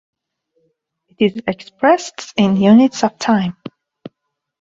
It is expressed in units of time.